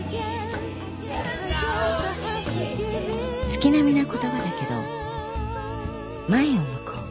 ［月並みな言葉だけど前を向こう］